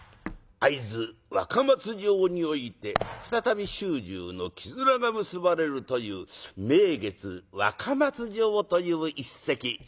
会津若松城において再び主従の絆が結ばれるという「名月若松城」という一席